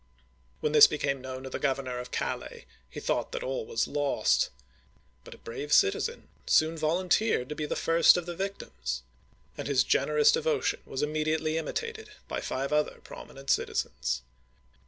When this became known to the governor of Calais, he thought that all was lost ; but a brave citizen soon volun teered to be the first of the victims, and his generous de votion Was immediately imitated by five other prominent citizens.